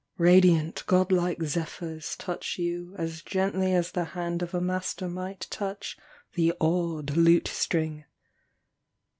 Radiant godlike zephyrs Touch you as gently As the hand of a master might Touch the awed lute string.